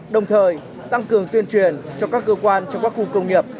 đồng thời tăng cường tuyên truyền cho các cơ quan trong các khu công nghiệp